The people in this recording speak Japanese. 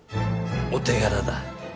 お手柄だ。